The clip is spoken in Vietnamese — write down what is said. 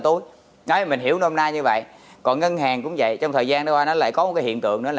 tôi nói mình hiểu nôm na như vậy còn ngân hàng cũng vậy trong thời gian đó nó lại có cái hiện tượng đó là